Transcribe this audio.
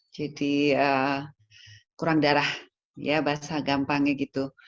jadi kurang darah basah gampangnya gitu